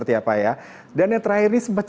saya pregnant ternyata tetap berkembang